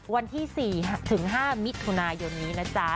วันที่๔ถึง๕มิถุนายนนี้นะจ๊ะ